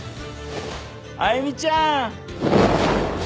歩ちゃん！